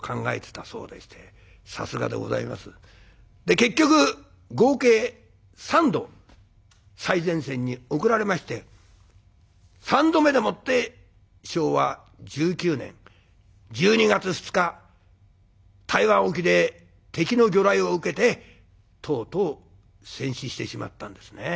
結局合計３度最前線に送られまして３度目でもって昭和１９年１２月２日台湾沖で敵の魚雷を受けてとうとう戦死してしまったんですね。